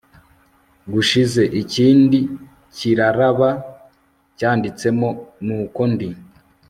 gushize ikindi kiraraba cyanditsemo nuko ndi